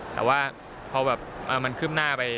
แต่ว่าพอมันคืบหน้าไป